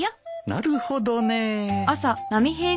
なるほどね。